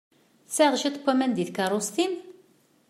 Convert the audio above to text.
Tesɛiḍ cwiṭ n waman deg tkeṛṛust-im?